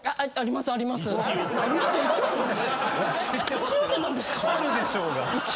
あるでしょうが！